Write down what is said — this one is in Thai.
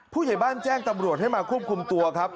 ผู้ใหญ่บ้านแจ้งตำรวจให้มาควบคุมตัวครับ